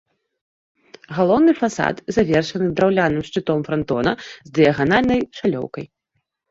Галоўны фасад завершаны драўляным шчытом франтона з дыяганальнай шалёўкай.